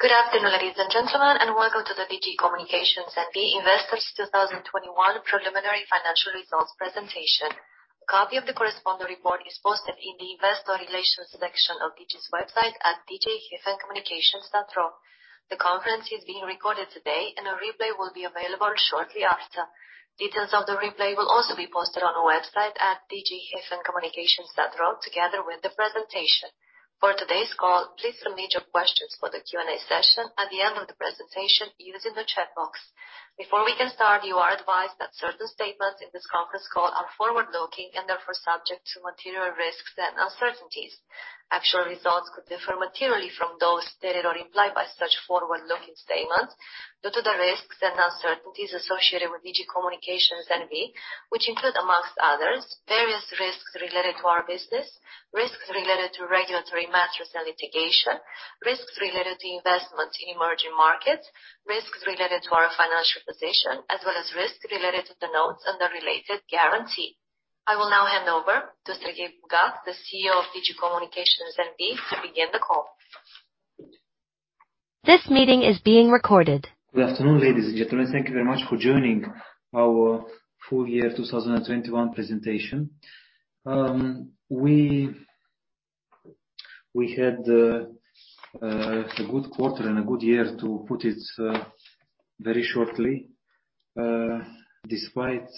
Good afternoon, ladies and gentlemen, and Welcome to the Digi Communications N.V. Investors 2021 Preliminary Financial Results Presentation. A copy of the corresponding report is posted in the investor relations section of Digi's website at digi-communications.ro. The conference is being recorded today, and a replay will be available shortly after. Details of the replay will also be posted on our website at digi-communications.ro, together with the presentation. For today's call, please submit your questions for the Q&A session at the end of the presentation using the chat box. Before we can start, you are advised that certain statements in this conference call are forward-looking and subject to material risks and uncertainties. Actual results could differ materially from those stated or implied by such forward-looking statements due to the risks and uncertainties associated with Digi Communications N.V., which include, among others, various risks related to our business, risks related to regulatory matters and litigation, risks related to investment in emerging markets, risks related to our financial position, as well as risks related to the notes and the related guarantee. I will now hand over to Serghei Bulgac, the CEO of Digi Communications N.V. to begin the call. This meeting is being recorded. Good afternoon, ladies and gentlemen. Thank you very much for joining our full year 2021 presentation. We had a good quarter and a good year to put it very shortly, despite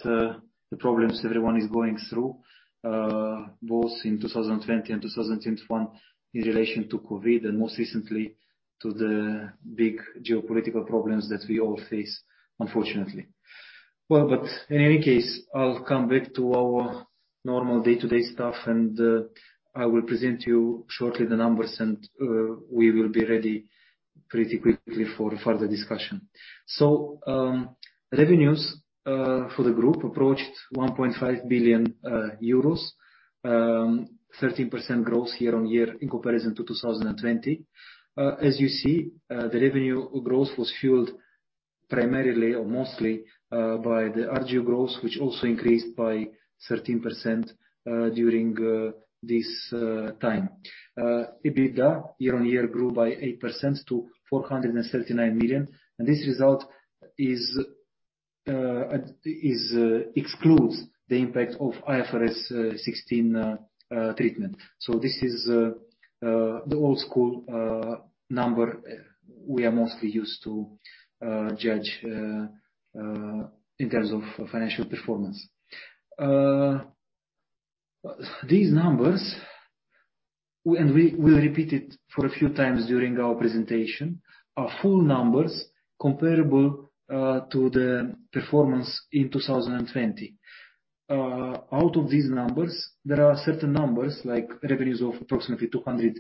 the problems everyone is going through, both in 2020 and 2021 in relation to COVID, and most recently to the big geopolitical problems that we all face, unfortunately. Well, in any case, I'll come back to our normal day-to-day stuff, and I will present you shortly the numbers, and we will be ready pretty quickly for the discussion. Revenues for the group approached 1.5 billion euros, 13% growth year-on-year in comparison to 2020. As you see, the revenue growth was fueled primarily or mostly by the RGU growth, which also increased by 13% during this time. EBITDA year-on-year grew by 8% to 439 million, and this result excludes the impact of IFRS 16 treatment. This is the old school number we are mostly used to judge in terms of financial performance. These numbers, and we will repeat it for a few times during our presentation, are full numbers comparable to the performance in 2020. Out of these numbers, there are certain numbers, like revenues of approximately 200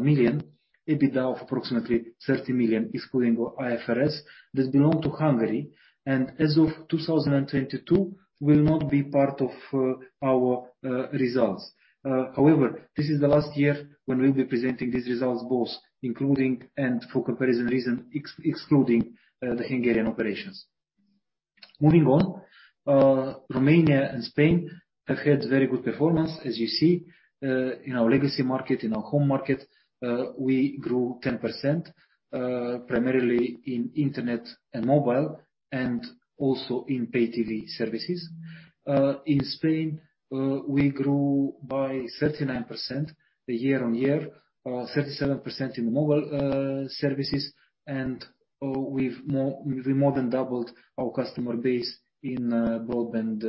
million, EBITDA of approximately 30 million, excluding IFRS, that belong to Hungary, and as of 2022, will not be part of our results. However, this is the last year when we'll be presenting these results both including and for comparison reason, excluding the Hungarian operations. Moving on, Romania and Spain have had very good performance, as you see, in our legacy market, in our home market, we grew 10%, primarily in internet and mobile, and also in Pay-TV services. In Spain, we grew by 39% year-on-year, 37% in mobile services, and we've more than doubled our customer base in broadband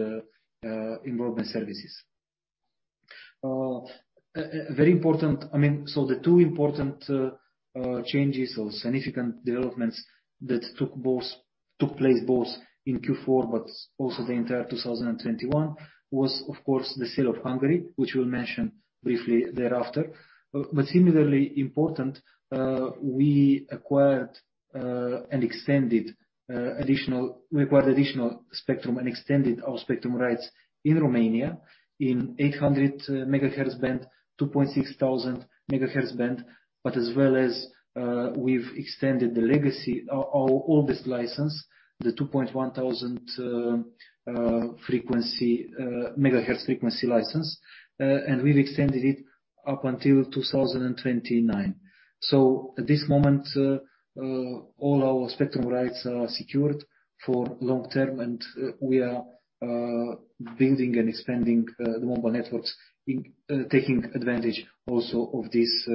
services. The two important changes or significant developments that took place both in Q4 but also the entire 2021, was, of course, the sale of Hungary, which we'll mention briefly thereafter. Similarly important, we acquired additional spectrum and extended our spectrum rights in Romania in 800 MHz band, 2,600 MHz band, but as well as we've extended the legacy, our oldest license, the 2,100 MHz frequency license, and we've extended it up until 2029. At this moment, all our spectrum rights are secured for long-term, and we are building and expanding the mobile networks, taking advantage also of these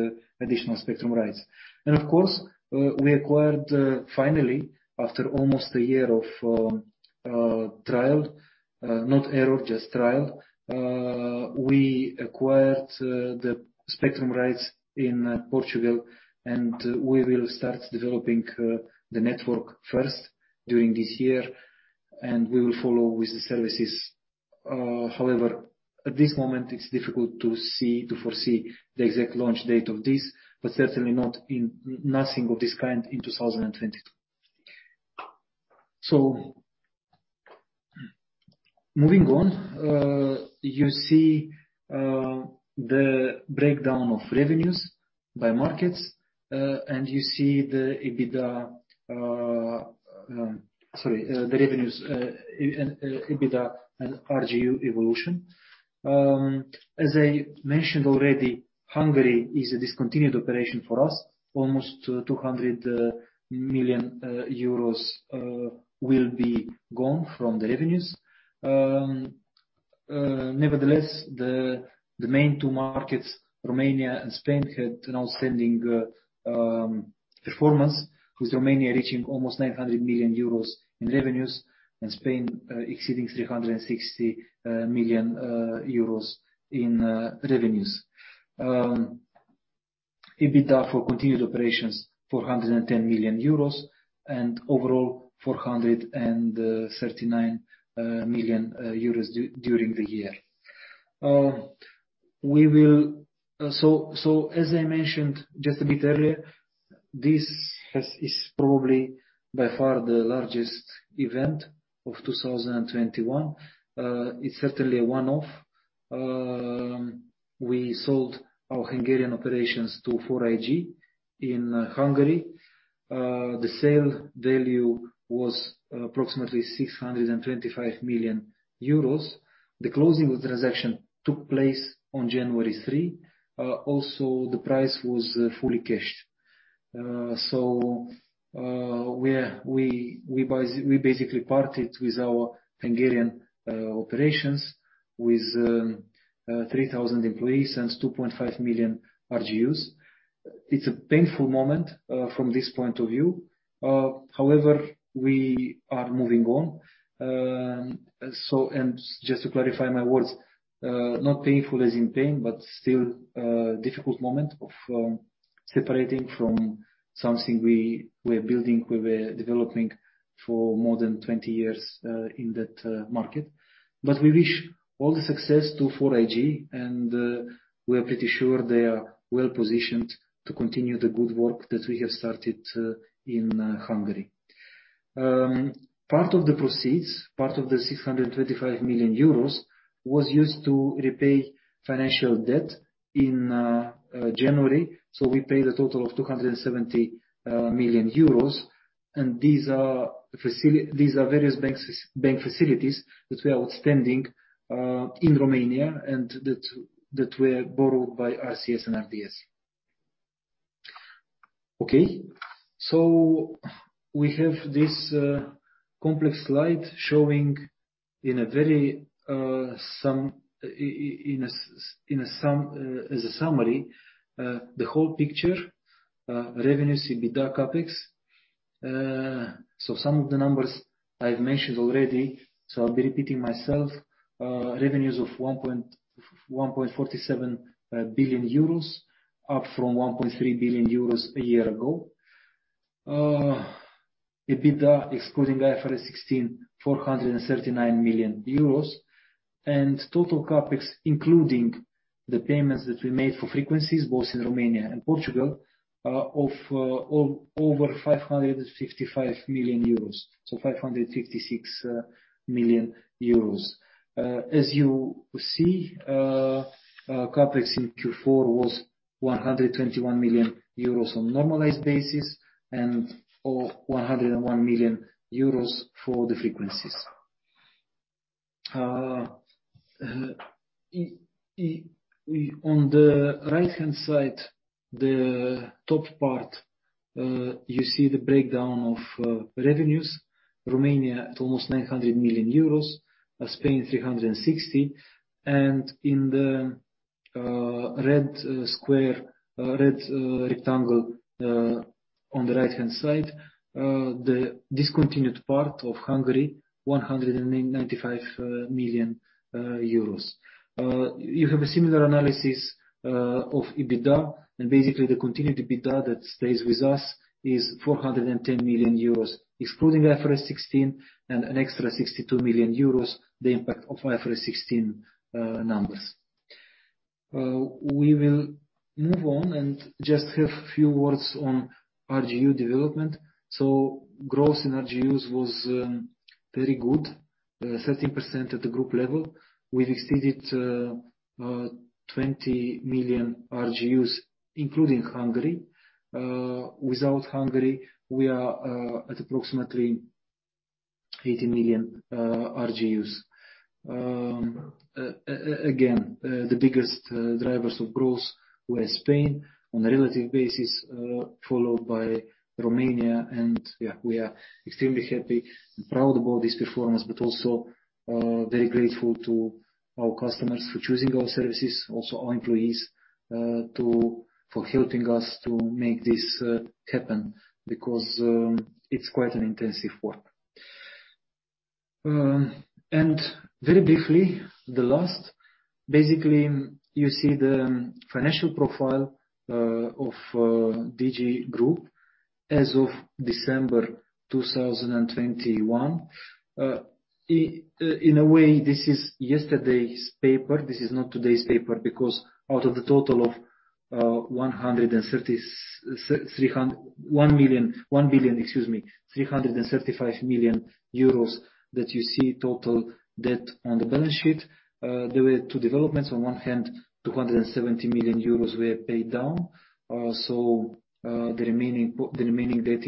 additional spectrum rights. Of course, we acquired finally, after almost a year of trial, not error, just trial, we acquired the spectrum rights in Portugal, and we will start developing the network first during this year, and we will follow with the services. However, at this moment, it's difficult to foresee the exact launch date of this, but certainly nothing of this kind in 2022. Moving on, you see the breakdown of revenues by markets, and you see Sorry, the revenues, EBITDA, and RGU evolution. As I mentioned already, Hungary is a discontinued operation for us. Almost 200 million euros will be gone from the revenues. Nevertheless, the main two markets, Romania and Spain, had an outstanding performance, with Romania reaching almost 900 million euros in revenues and Spain exceeding 360 million euros in revenues. EBITDA for continued operations, 410 million euros, and overall 439 million euros during the year. As I mentioned just a bit earlier, this is probably by far the largest event of 2021. It's certainly a one-off. We sold our Hungarian operations to 4iG in Hungary. The sale value was approximately 625 million euros. The closing of transaction took place on January 3. Also, the price was fully cashed. We basically parted with our Hungarian operations with 3,000 employees and 2.5 million RGUs. It's a painful moment from this point of view. However, we are moving on. Just to clarify my words, not painful as in pain, but still a difficult moment of separating from something we were building, we were developing for more than 20 years in that market. We wish all the success to 4iG, and we are pretty sure they are well-positioned to continue the good work that we have started in Hungary. Part of the proceeds, part of the 625 million euros, was used to repay financial debt in January. We paid a total of 270 million euros, and these are various bank facilities that were outstanding in Romania and that were borrowed by RCS & RDS. Okay. We have this complex slide showing as a summary, the whole picture, revenues, EBITDA, CapEx. Some of the numbers I've mentioned already, so I'll be repeating myself. Revenues of 1.47 billion euros, up from 1.3 billion euros a year ago. EBITDA excluding IFRS 16, 439 million euros. Total CapEx, including the payments that we made for frequencies, both in Romania and Portugal, are over 555 million euros, so 556 million euros. As you see, CapEx in Q4 was 121 million euros on a normalized basis and 101 million euros for the frequencies. On the right-hand side, the top part, you see the breakdown of revenues. Romania at almost 900 million euros, Spain 360 million. In the red rectangle on the right-hand side, the discontinued part of Hungary, 195 million euros. You have a similar analysis of EBITDA, and basically the continued EBITDA that stays with us is 410 million euros, excluding IFRS 16 and an extra 62 million euros, the impact of IFRS 16 numbers. We will move on and just have a few words on RGU development. Growth in RGUs was very good, 13% at the group level. We've exceeded 20 million RGUs, including Hungary. Without Hungary, we are at approximately 18 million RGUs. Again, the biggest drivers of growth were Spain on a relative basis, followed by Romania. We are extremely happy and proud about this performance, but also very grateful to our customers for choosing our services, also our employees for helping us to make this happen, because it's quite an intensive work. Very briefly, the last. Basically, you see the financial profile of Digi Group as of December 2021. In a way, this is yesterday's paper. This is not today's paper, because out of the total of 1.335 billion that you see total debt on the balance sheet, there were two developments. On one hand, 270 million euros were paid down. The remaining debt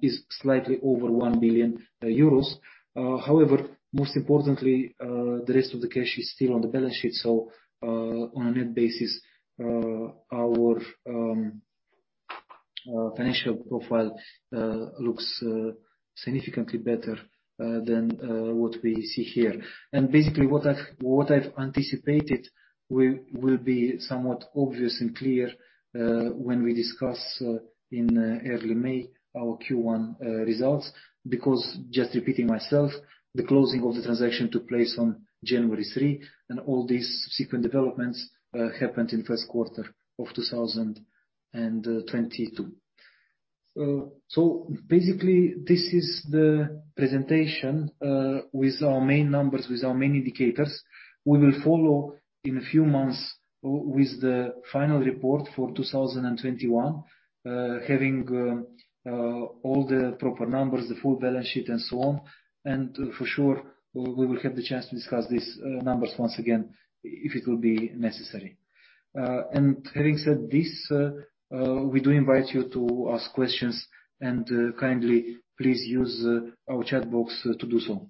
is slightly over 1 billion euros. However, most importantly, the rest of the cash is still on the balance sheet. On a net basis, our financial profile looks significantly better than what we see here. Basically what I've anticipated will be somewhat obvious and clear when we discuss in early May our Q1 results, because just repeating myself, the closing of the transaction took place on January 3, and all these subsequent developments happened in the first quarter of 2022. Basically this is the presentation with our main numbers, with our main indicators. We will follow in a few months with the final report for 2021, having all the proper numbers, the full balance sheet and so on. For sure, we will have the chance to discuss these numbers once again if it will be necessary. Having said this, we do invite you to ask questions and kindly please use our chat box to do so.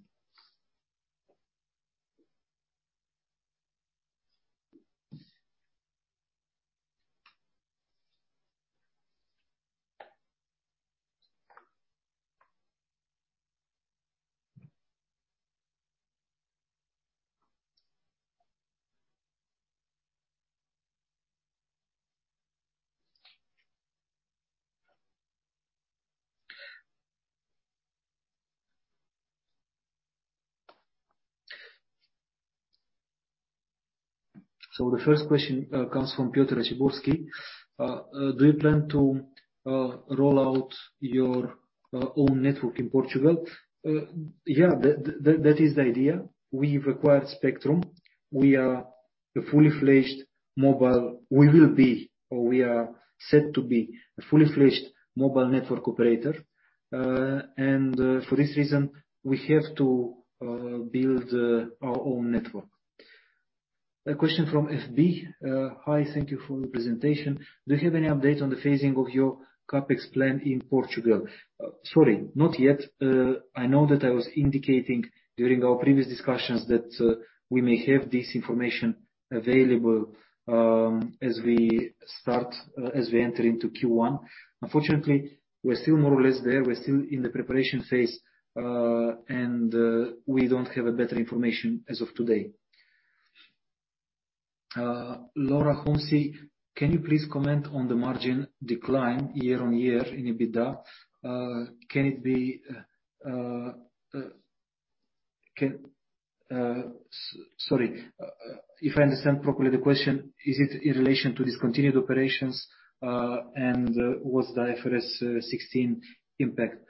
The first question comes from [Piotr Raciborski]. "Do you plan to roll out your own network in Portugal?" Yeah, that is the idea. We've acquired spectrum. We will be, or we are set to be a fully fledged mobile network operator. For this reason, we have to build our own network. A question from FB. Hi, thank you for the presentation. Do you have any update on the phasing of your CapEx plan in Portugal? Sorry, not yet. I know that I was indicating during our previous discussions that we may have this information available as we enter into Q1. Unfortunately, we're still more or less there. We're still in the preparation phase, and we don't have better information as of today. [Laura Hussey], "Can you please comment on the margin decline year on year in EBITDA?" Sorry, if I understand properly the question, is it in relation to discontinued operations, and what's the IFRS 16 impact?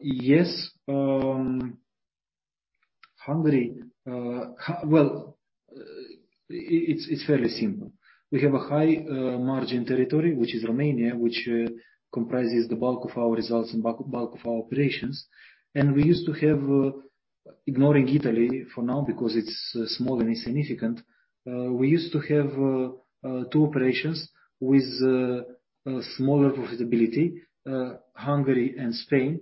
Yes. Well, it's fairly simple. We have a high margin territory, which is Romania, which comprises the bulk of our results and bulk of our operations. Ignoring Italy for now because it's small and insignificant, we used to have two operations with smaller profitability, Hungary and Spain.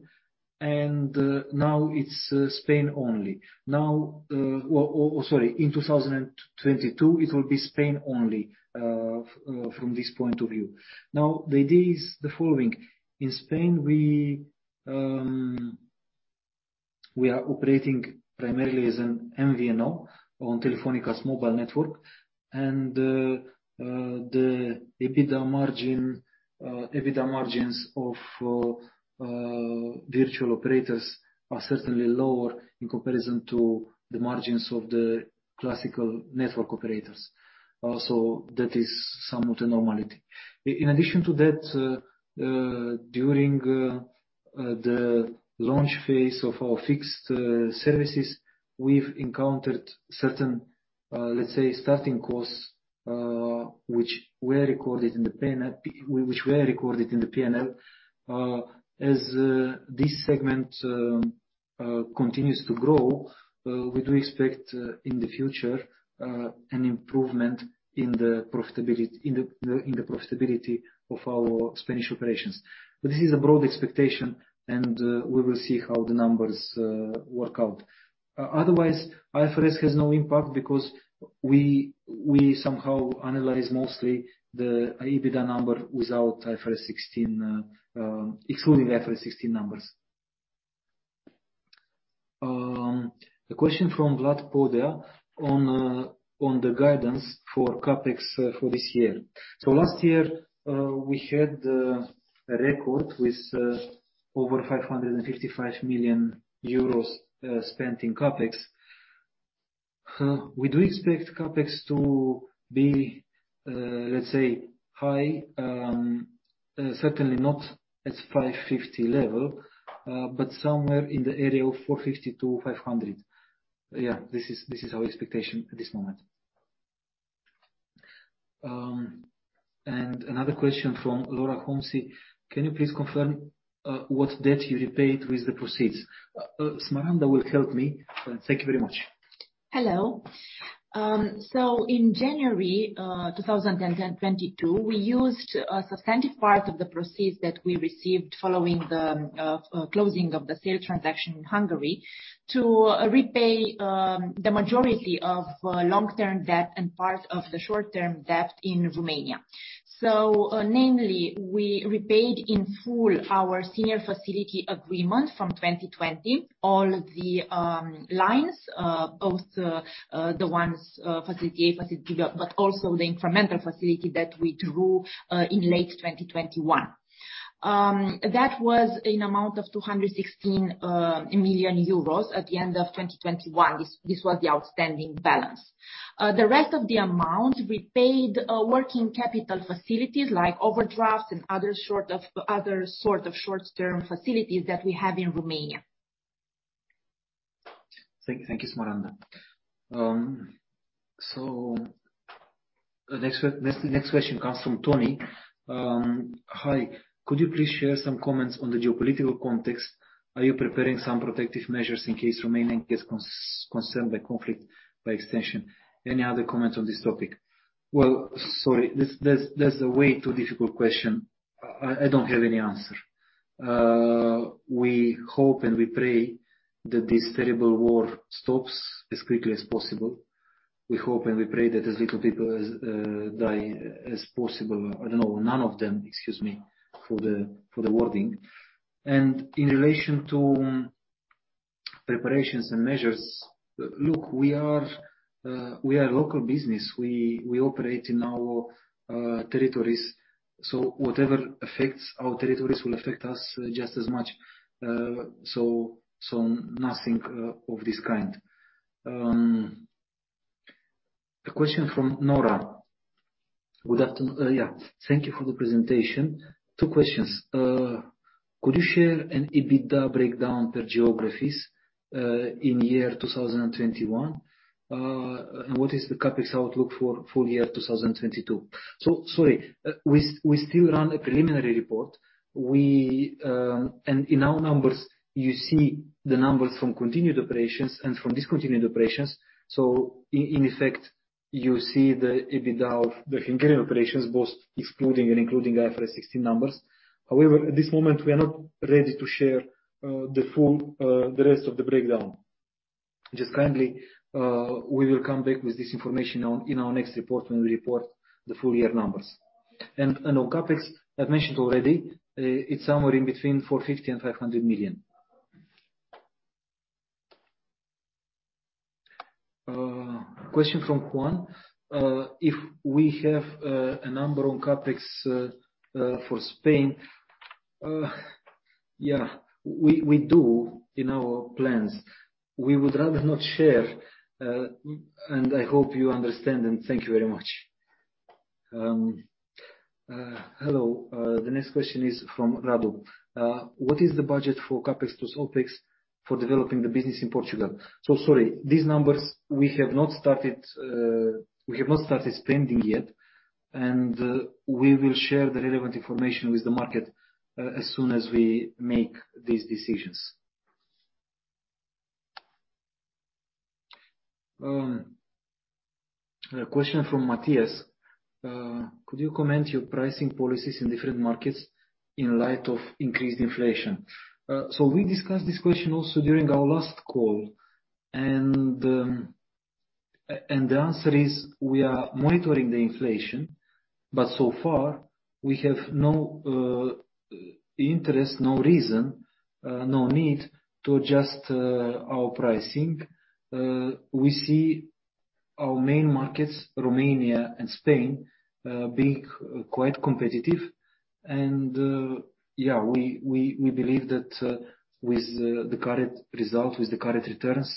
Now it's Spain only. Sorry, in 2022, it will be Spain only from this point of view. Now the idea is the following. In Spain, we are operating primarily as an MVNO on Telefónica's mobile network, and the EBITDA margins of virtual operators are certainly lower in comparison to the margins of the classical network operators. Also, that is somewhat a normality. In addition to that, during the launch phase of our fixed services, we've encountered certain, let's say, starting costs, which were recorded in the P&L. As this segment continues to grow, we do expect in the future, an improvement in the profitability of our Spanish operations. This is a broad expectation, and we will see how the numbers work out. Otherwise, IFRS has no impact because we somehow analyze mostly the EBITDA number excluding IFRS 16 numbers. A question from [Vlad Popa] on the guidance for CapEx for this year. Last year, we had a record with over 555 million euros spent in CapEx. We do expect CapEx to be, let's say, high, certainly not at 550 level, but somewhere in the area of 450-500. Yeah, this is our expectation at this moment. Another question from [Laura Hussey[, can you please confirm what debt you repaid with the proceeds? Smaranda will help me. Thank you very much. Hello. In January 2022, we used a substantive part of the proceeds that we received following the closing of the sale transaction in Hungary to repay the majority of long-term debt and part of the short-term debt in Romania. Namely, we repaid in full our senior facility agreement from 2020, all of the lines, both the ones, facility A, facility B, but also the incremental facility that we drew in late 2021. That was an amount of 216 million euros at the end of 2021. This was the outstanding balance. The rest of the amount repaid working capital facilities like overdraft and other sort of short-term facilities that we have in Romania. Thank you, Smaranda. The next question comes from [Tony]. "Hi, could you please share some comments on the geopolitical context? Are you preparing some protective measures in case Romania gets concerned by conflict by extension? Any other comments on this topic?" Well, sorry. That's a way too difficult question. I don't have any answer. We hope and we pray that this terrible war stops as quickly as possible. We hope and we pray that as little people die as possible. I don't know, none of them, excuse me for the wording. In relation to preparations and measures, look, we are a local business. We operate in our territories, so whatever affects our territories will affect us just as much. Nothing of this kind. A question from [Nora]. "Thank you for the presentation. Two questions. Could you share an EBITDA breakdown per geographies in 2021? What is the CapEx outlook for full year 2022?" Sorry. We still run a preliminary report, and in our numbers, you see the numbers from continuing operations and from discontinued operations. In effect, you see the EBITDA of the Hungarian operations, both excluding and including IFRS 16 numbers. However, at this moment, we are not ready to share the rest of the breakdown. Just kindly, we will come back with this information in our next report when we report the full-year numbers. On CapEx, I've mentioned already, it's somewhere in between 450 million and 500 million. A question from [Juan]. "If we have a number on CapEx for Spain?" Yeah, we do in our plans. We would rather not share, and I hope you understand, and thank you very much. Hello. The next question is from [Radu]. "What is the budget for CapEx plus OpEx for developing the business in Portugal?" Sorry, these numbers, we have not started spending yet, and we will share the relevant information with the market, as soon as we make these decisions. A question from [Matthias]. "Could you comment your pricing policies in different markets in light of increased inflation?" We discussed this question also during our last call, and the answer is we are monitoring the inflation, but so far we have no interest, no reason, no need to adjust our pricing. We see our main markets, Romania and Spain, being quite competitive. Yeah, we believe that with the current result, with the current returns,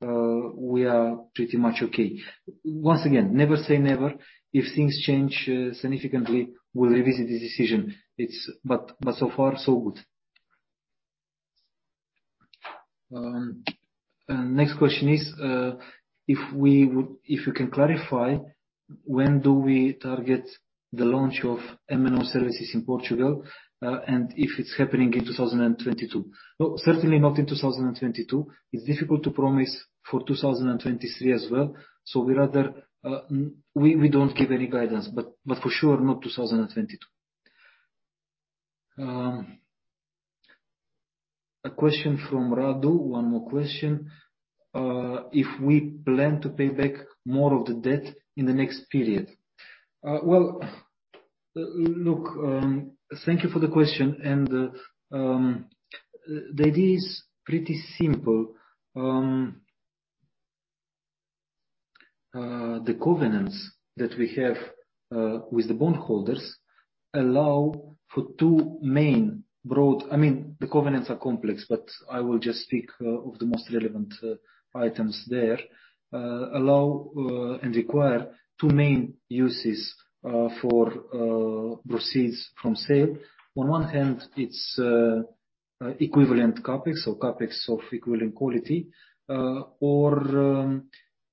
we are pretty much okay. Once again, never say never. If things change significantly, we'll revisit this decision. So far, so good. Next question is, "if you can clarify, when do we target the launch of MNO services in Portugal, and if it's happening in 2022?" Well, certainly not in 2022. It's difficult to promise for 2023 as well, so we don't give any guidance. For sure, not 2022. A question from [Radu], one more question. If we plan to pay back more of the debt in the next period. Well, look, thank you for the question, and the idea is pretty simple. The covenants that we have with the bondholders allow for two main. The covenants are complex, but I will just speak of the most relevant items there. Allow and require two main uses for proceeds from sale. On one hand, it's equivalent CapEx or CapEx of equivalent quality, or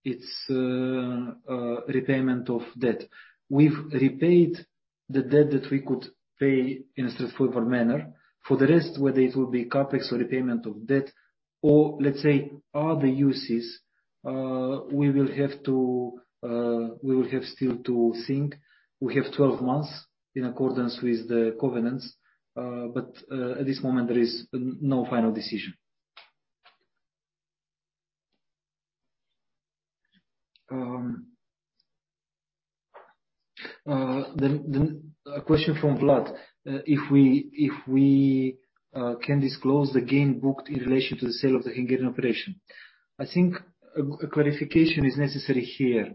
it's repayment of debt. We've repaid the debt that we could pay in a straightforward manner. For the rest, whether it will be CapEx or repayment of debt or let's say other uses, we will have still to think. We have 12 months in accordance with the covenants, but at this moment there is no final decision. A question from [Vlad], "if we can disclose the gain booked in relation to the sale of the Hungarian operation?" I think a clarification is necessary here.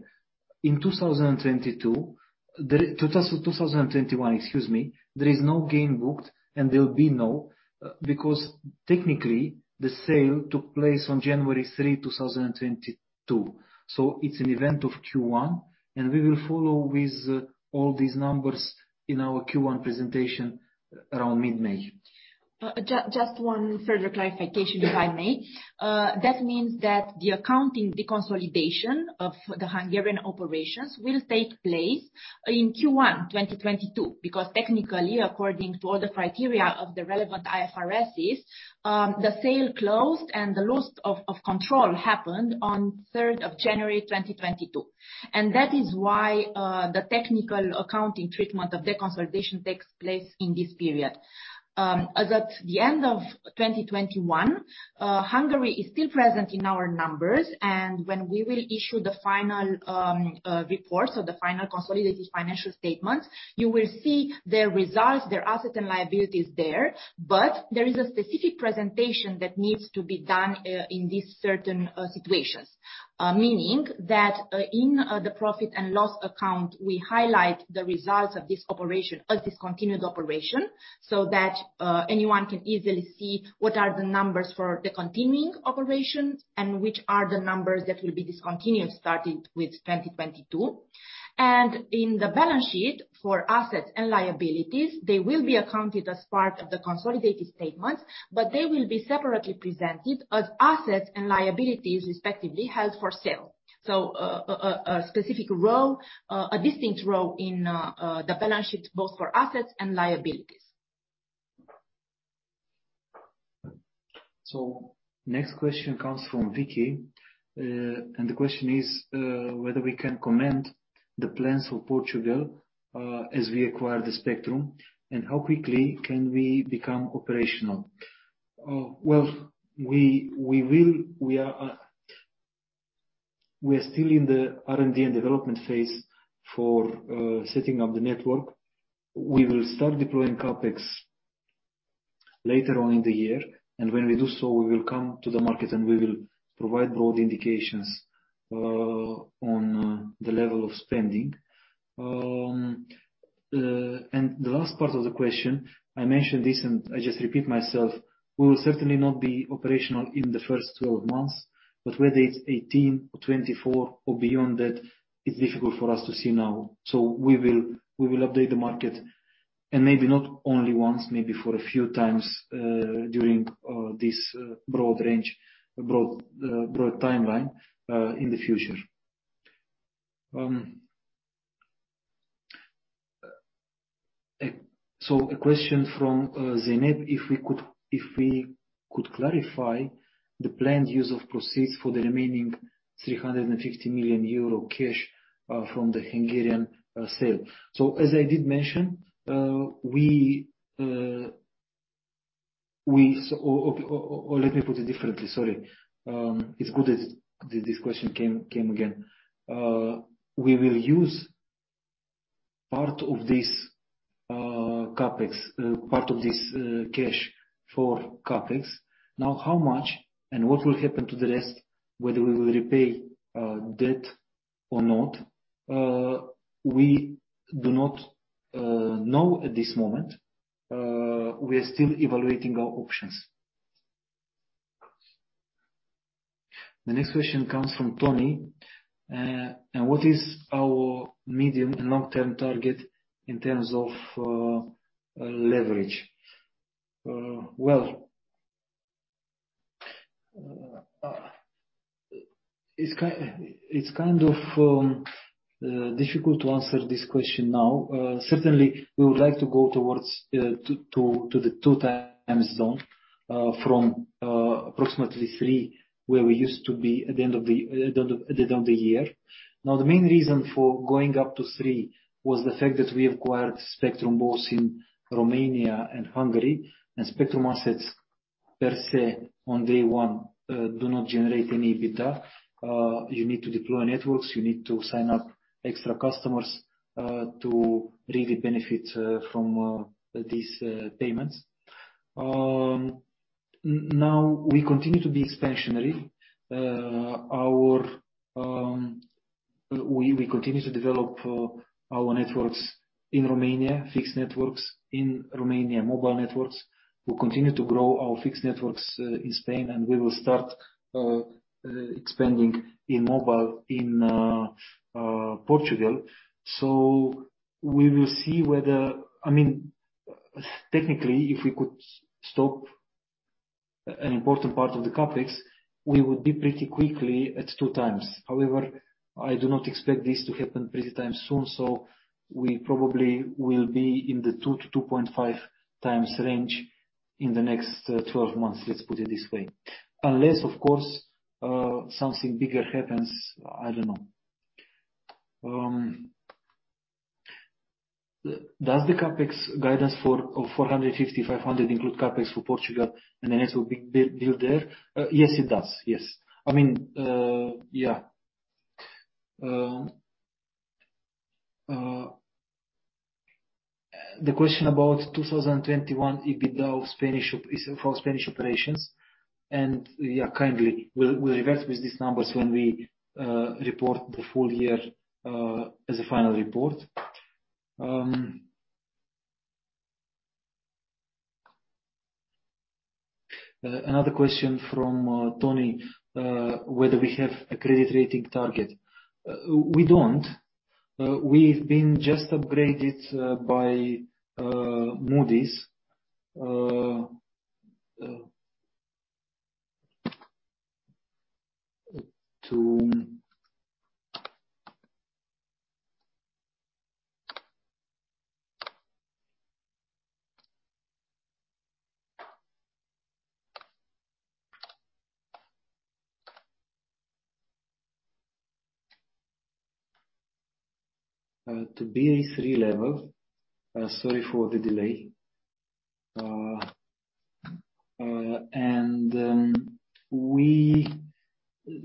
In 2022, 2021 excuse me, there is no gain booked and there will be no, because technically the sale took place on January 3, 2022. It's an event of Q1, and we will follow with all these numbers in our Q1 presentation around mid-May. Just one further clarification, if I may. That means that the accounting deconsolidation of the Hungarian operations will take place in Q1 2022, because technically, according to all the criteria of the relevant IFRSs, the sale closed and the loss of control happened on January 3rd, 2022. That is why the technical accounting treatment of the consolidation takes place in this period. As at the end of 2021, Hungary is still present in our numbers, and when we will issue the final report, the final consolidated financial statement, you will see their results, their assets and liabilities there. There is a specific presentation that needs to be done in these certain situations, meaning that in the profit and loss account, we highlight the results of this operation as discontinued operation, so that anyone can easily see what are the numbers for the continuing operation, and which are the numbers that will be discontinued starting with 2022. In the balance sheet for assets and liabilities, they will be accounted as part of the consolidated statement, but they will be separately presented as assets and liabilities respectively held for sale. A specific role, a distinct role in the balance sheet, both for assets and liabilities. Next question comes from [Vicky]. "The question is whether we can comment on the plans for Portugal as we acquire the spectrum and how quickly can we become operational?" Well, we are still in the R&D and development phase for setting up the network. We will start deploying CapEx later on in the year, and when we do so, we will come to the market and we will provide broad indications on the level of spending. The last part of the question, I mentioned this and I just repeat myself. We will certainly not be operational in the first 12 months, but whether it's 18 or 24 or beyond that, it's difficult for us to see now. We will update the market and maybe not only once, maybe for a few times during this broad range, broad timeline in the future. A question from [Zeynep], "If we could clarify the planned use of proceeds for the remaining 350 million euro cash from the Hungarian sale?" It's good that this question came again. We will use part of this cash for CapEx. Now how much and what will happen to the rest, whether we will repay debt or not, we do not know at this moment. We are still evaluating our options. The next question comes from [Tony]. "What is our medium and long-term target in terms of leverage?" Well, it's kind of difficult to answer this question now. Certainly we would like to go towards the 2x zone, from approximately 3x, where we used to be at the end of the year. Now, the main reason for going up to 3x was the fact that we acquired spectrum both in Romania and Hungary, and spectrum assets per se on day one do not generate any EBITDA. You need to deploy networks. You need to sign up extra customers to really benefit from these payments. Now we continue to be expansionary. We continue to develop our networks in Romania, fixed networks in Romania, mobile networks. We continue to grow our fixed networks in Spain, and we will start expanding in mobile in Portugal. We will see whether technically, if we could stop an important part of the CapEx, we would be pretty quickly at 2x. However, I do not expect this to happen 3x soon, so we probably will be in the 2x-2.5x range in the next 12 months, let's put it this way. Unless, of course, something bigger happens, I don't know. "Does the CapEx guidance of 450-500 include CapEx for Portugal and the network being built there?" Yes, it does. Yes. The question about 2021 EBITDA for Spanish operations, and yeah, kindly, we'll revert with these numbers when we report the full year as a final report. Another question from Tony, whether we have a credit rating target. We don't. We've been just upgraded by Moody's to Ba3 level. Sorry for the delay.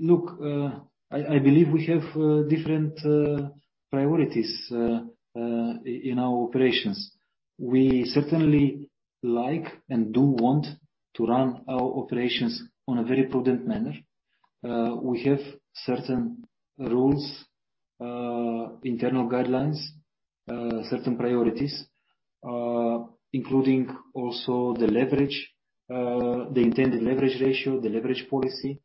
Look, I believe we have different priorities in our operations. We certainly like and do want to run our operations on a very prudent manner. We have certain rules, internal guidelines, certain priorities, including also the leverage, the intended leverage ratio, the leverage policy.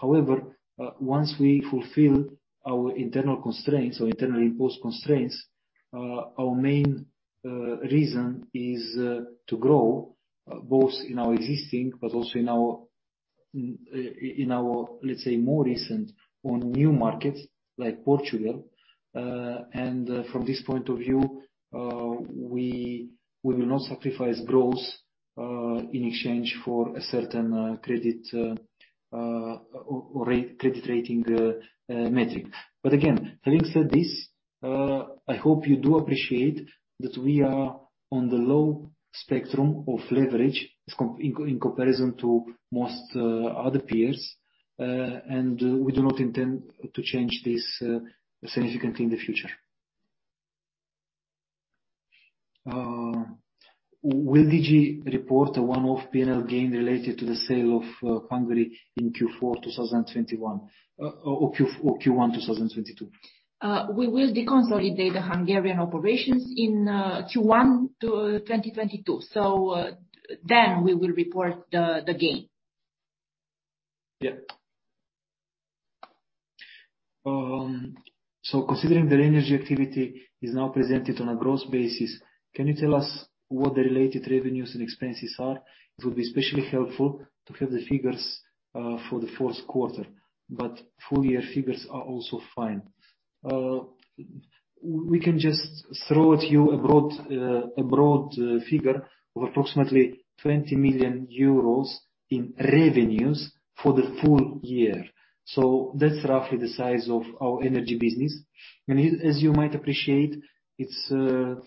However, once we fulfill our internal constraints or internally imposed constraints, our main reason is to grow both in our existing but also in our, let's say, more recent or new markets like Portugal. From this point of view, we will not sacrifice growth in exchange for a certain credit rating metric. Again, having said this, I hope you do appreciate that we are on the low spectrum of leverage in comparison to most other peers, and we do not intend to change this significantly in the future. "Will Digi report a one-off P&L gain related to the sale of Hungary in Q4 2021 or Q1 2022?" We will deconsolidate the Hungarian operations in Q1 2022. We will report the gain. Yeah. "Considering the energy activity is now presented on a gross basis, can you tell us what the related revenues and expenses are? It would be especially helpful to have the figures for the fourth quarter, but full-year figures are also fine." We can just throw at you a broad figure of approximately 20 million euros in revenues for the full year. That's roughly the size of our energy business. As you might appreciate, it's very,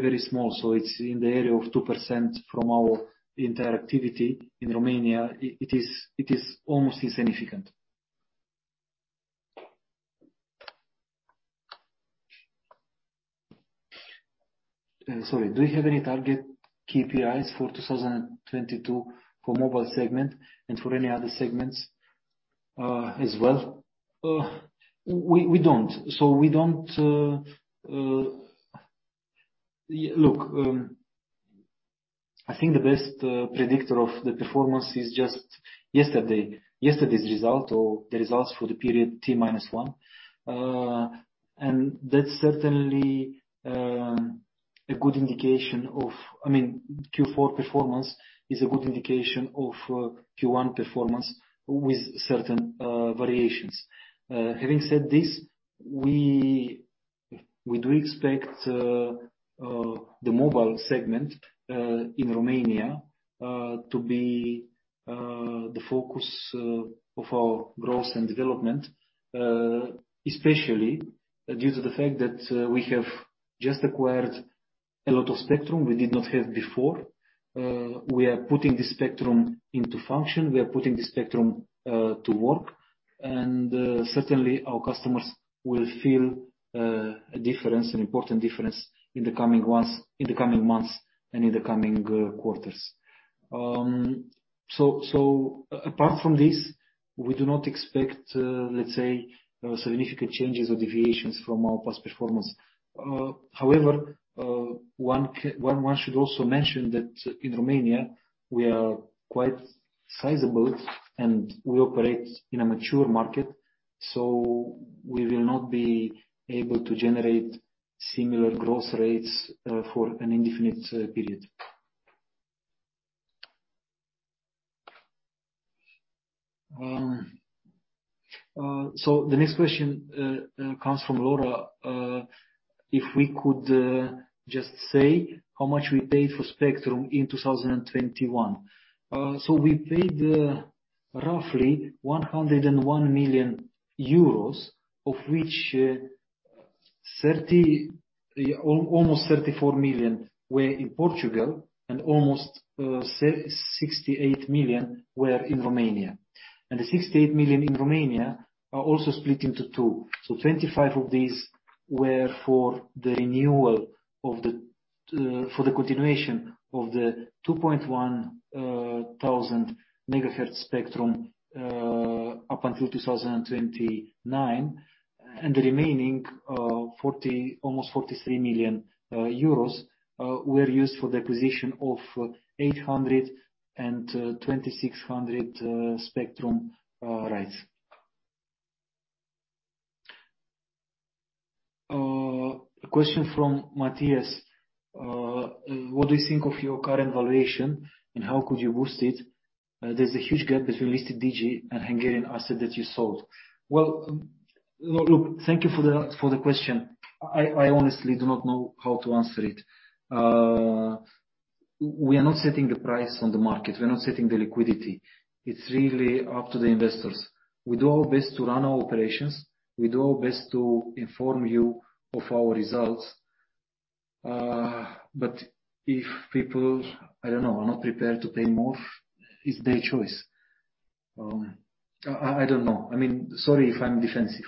very small. It's in the area of 2% from our entire activity in Romania. It is almost insignificant. Sorry. "Do you have any target KPIs for 2022 for mobile segment and for any other segments as well?" We don't. Look, I think the best predictor of the performance is just yesterday's result or the results for the period T-minus one. That's certainly a good indication of. Q4 performance is a good indication of Q1 performance with certain variations. Having said this, we do expect the mobile segment in Romania to be the focus of our growth and development, especially due to the fact that we have just acquired a lot of spectrum we did not have before. We are putting the spectrum into function, we are putting the spectrum to work, and certainly our customers will feel an important difference in the coming months and in the coming quarters. Apart from this, we do not expect, let's say, significant changes or deviations from our past performance. However, one should also mention that in Romania, we are quite sizable, and we operate in a mature market, so we will not be able to generate similar growth rates for an indefinite period. The next question comes from [Laura]. "If we could just say how much we paid for spectrum in 2021." We paid roughly 101 million euros, of which almost 34 million were in Portugal and almost 68 million were in Romania. The 68 million in Romania are also split into two. 25 of these were for the continuation of the 2,100 megahertz spectrum up until 2029, and the remaining almost 43 million euros were used for the acquisition of 800 and 2,600 spectrum rights. A question from [Matthias]. "What do you think of your current valuation and how could you boost it?" There's a huge gap between listed Digi and Hungarian asset that you sold. Well, look, thank you for the question. I honestly do not know how to answer it. We are not setting the price on the market. We're not setting the liquidity. It's really up to the investors. We do our best to run our operations. We do our best to inform you of our results. But if people, I don't know, are not prepared to pay more, it's their choice. I don't know. Sorry if I'm defensive.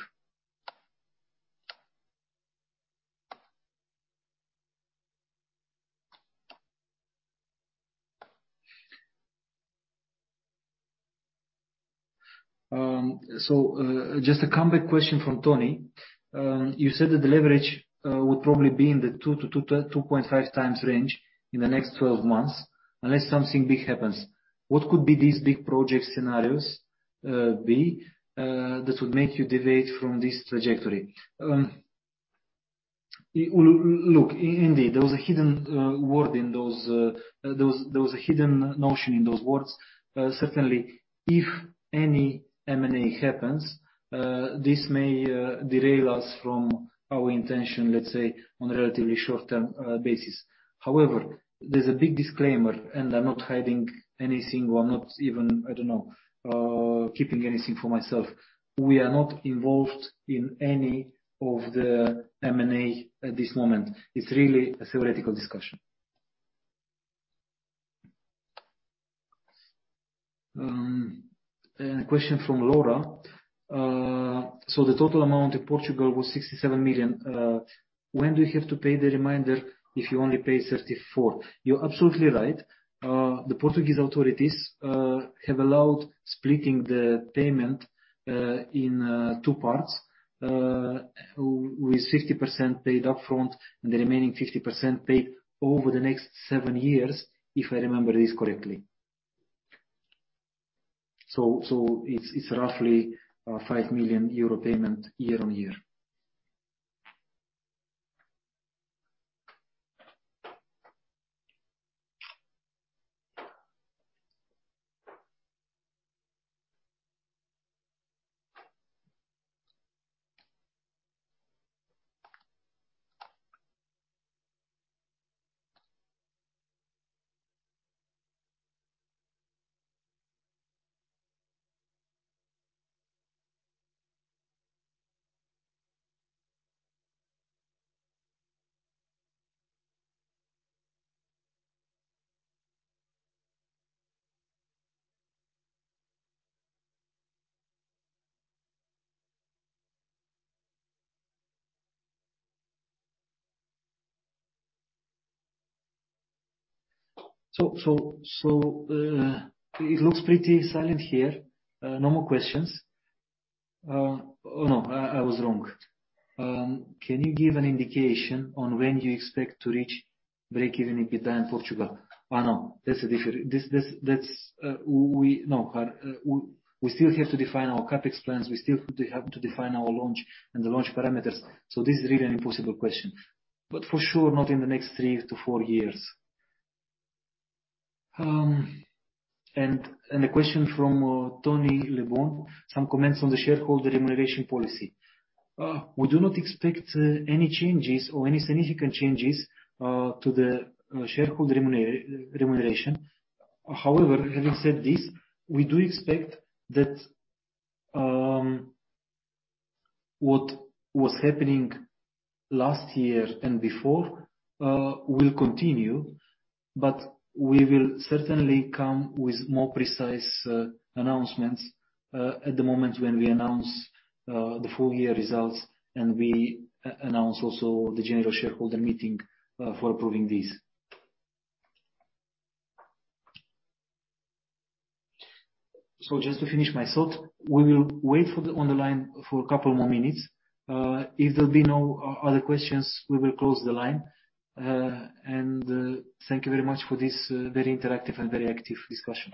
Just a comeback question from [Tony]. "You said that the leverage will probably be in the 2x-2.5x range in the next 12 months unless something big happens. What could be these big project scenarios B that would make you deviate from this trajectory?" Look, indeed, there was a hidden notion in those words. Certainly, if any M&A happens, this may derail us from our intention, let's say, on a relatively short-term basis. However, there's a big disclaimer, and I'm not hiding anything, or not even, I don't know, keeping anything for myself. We are not involved in any of the M&A at this moment. It's really a theoretical discussion. A question from [Laura]. The total amount in Portugal was 67 million. When do you have to pay the remainder if you only pay 34? You're absolutely right. The Portuguese authorities have allowed splitting the payment in two parts, with 50% paid upfront and the remaining 50% paid over the next seven years, if I remember this correctly. It's roughly a 5 million euro payment year on year. It looks pretty silent here. No more questions. Oh, no, I was wrong. "Can you give an indication on when you expect to reach break-even EBITDA in Portugal?" Oh, no, that's a different. No. We still have to define our CapEx plans. We still have to define our launch and the launch parameters. This is really an impossible question. For sure, not in the next three to four years. A question from [Tony Lebon]. "Some comments on the shareholder remuneration policy. We do not expect any changes or any significant changes to the shareholder remuneration. However, having said this, we do expect that what was happening last year and before will continue, but we will certainly come with more precise announcements at the moment when we announce the full-year results and we announce also the general shareholder meeting for approving these. Just to finish my thought, we will wait on the line for a couple more minutes. If there'll be no other questions, we will close the line. Thank you very much for this very interactive and very active discussion.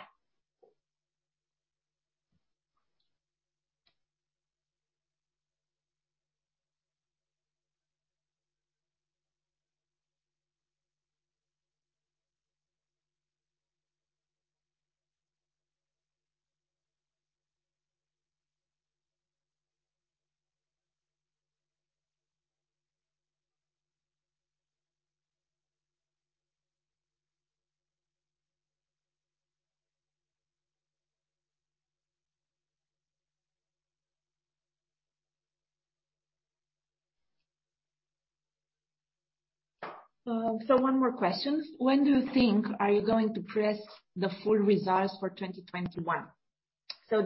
One more question. "When do you think you are going to publish the full results for 2021?"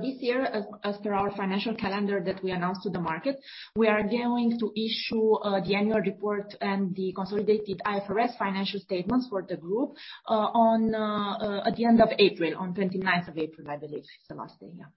This year, as per our financial calendar that we announced to the market, we are going to issue the annual report and the consolidated IFRS financial statements for the group at the end of April, on the April 29th, I believe, is the last day. Yeah.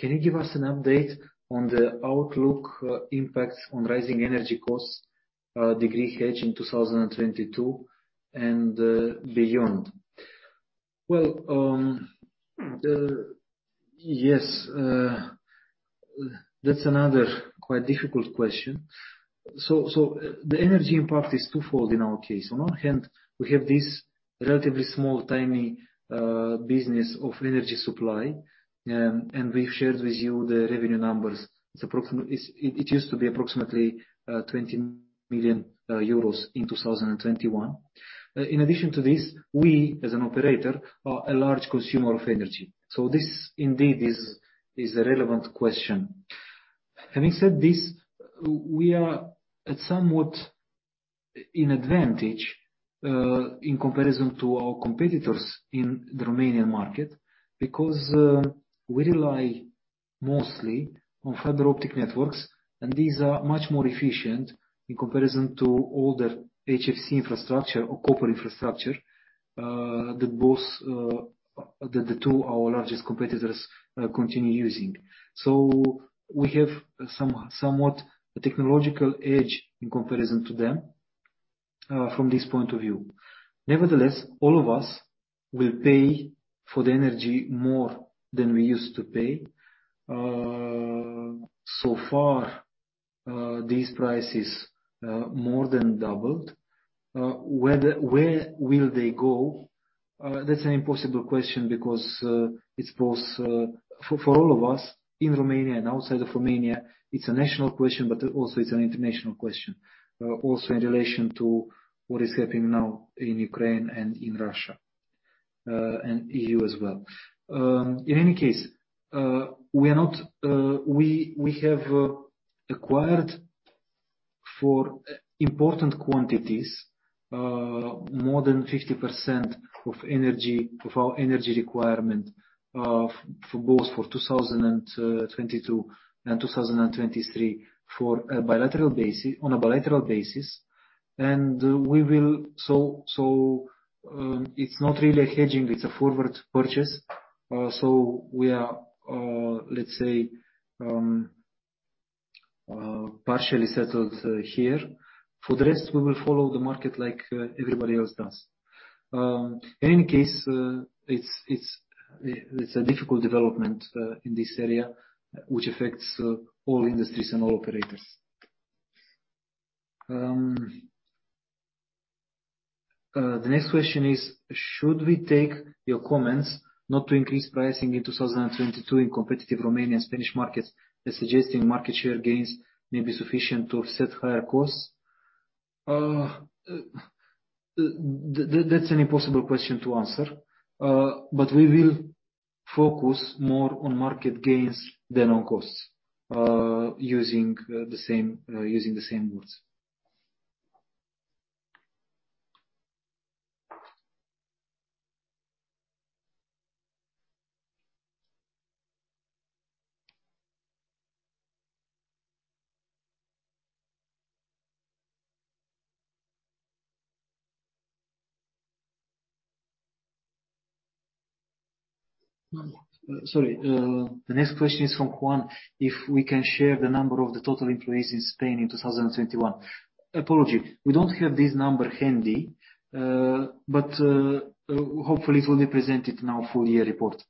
"Can you give us an update on the outlook impacts on rising energy costs? Did you hedge in 2022 and beyond?" Well, yes. That's another quite difficult question. The energy impact is twofold in our case. On one hand, we have this relatively small, tiny business of energy supply, and we've shared with you the revenue numbers. It used to be approximately 20 million euros in 2021. In addition to this, we, as an operator, are a large consumer of energy. This indeed is a relevant question. Having said this, we are somewhat of an advantage, in comparison to our competitors in the Romanian market, because we rely mostly on fiber optic networks, and these are much more efficient in comparison to older HFC infrastructure or copper infrastructure than the two, our largest competitors, continue using. We have somewhat a technological edge in comparison to them, from this point of view. Nevertheless, all of us will pay for the energy more than we used to pay. So far, these prices more than doubled. "Where will they go?" That's an impossible question because, for all of us in Romania and outside of Romania, it's a national question, but also it's an international question. Also in relation to what is happening now in Ukraine and in Russia, and EU as well. In any case, we have acquired for important quantities, more than 50% of our energy requirement for both 2022 and 2023 on a bilateral basis. It's not really a hedging, it's a forward purchase. We are, let's say, partially settled here. For the rest, we will follow the market like everybody else does. In any case, it's a difficult development in this area, which affects all industries and all operators. The next question is: "Should we take your comments not to increase pricing in 2022 in competitive Romanian, Spanish markets as suggesting market share gains may be sufficient to offset higher costs?" That's an impossible question to answer. We will focus more on market gains than on costs, using the same words. Sorry. The next question is from [Juan], if we can share the number of the total employees in Spain in 2021. Apologies, we don't have this number handy. Hopefully it will be presented in our full year report.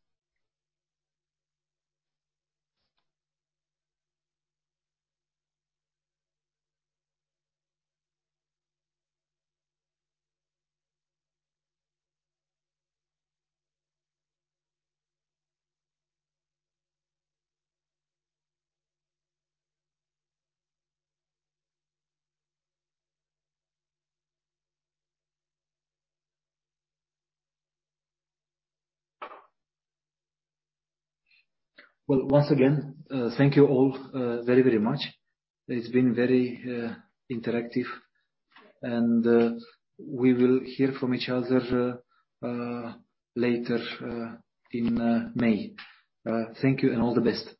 Well, once again, thank you all very, very much. It's been very interactive. We will hear from each other later in May. Thank you, and all the best.